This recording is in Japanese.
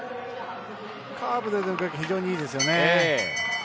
カーブの時非常にいいですね。